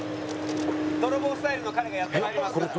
「泥棒スタイルの彼がやってまいりますから」